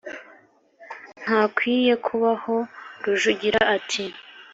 ntakwiye kubaho." rujugira ati: